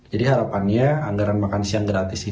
jadi harapannya anggaran makan siang gratis ini